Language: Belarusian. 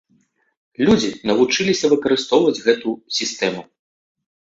Людзі навучыліся выкарыстоўваць гэту сістэму.